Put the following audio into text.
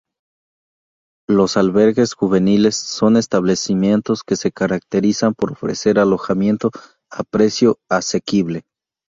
Los albergues juveniles son establecimientos que se caracterizan por ofrecer alojamiento a precio asequible.